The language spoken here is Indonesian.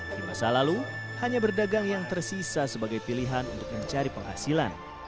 di masa lalu hanya berdagang yang tersisa sebagai pilihan untuk mencari penghasilan